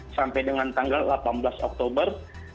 sampai dengan tanggal delapan belas oktober